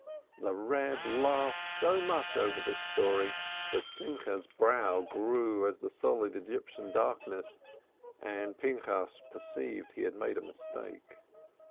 '" The Reb laughed so much over this story that Simcha's brow grew as the solid Egyptian darkness, and Pinchas perceived he had made a mistake.